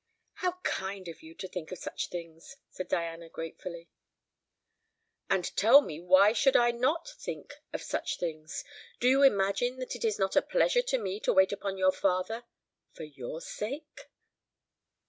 "How kind of you to think of such things!" said Diana gratefully. "And tell me why should I not think of such things? Do you imagine that it is not a pleasure to me to wait upon your father for your sake?"